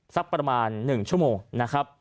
สักประมาณหนึ่งชั่วโมง